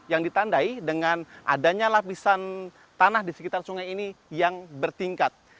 yang ditandai dengan adanya lapisan tanah di sekitar sungai ini yang bertingkat